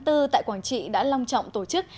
tại quảng trị đã lòng trọng tổ chức